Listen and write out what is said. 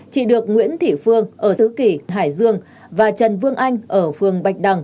chỉ được nguyễn thị phương ở thứ kỳ hải dương và trần vương anh ở phương bạch đằng